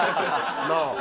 なあ。